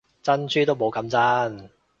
珍珠都冇咁真